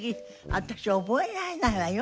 私覚えられないわよ。